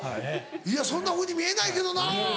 いやそんなふうに見えないけどな。